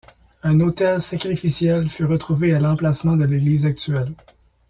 Un autel sacrificiel fut retrouvé à l'emplacement de l'église actuelle.